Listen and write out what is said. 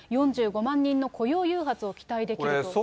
４５万人の雇用誘発を期待できるという。